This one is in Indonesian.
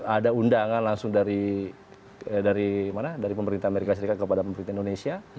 ada undangan langsung dari pemerintah amerika serikat kepada pemerintah indonesia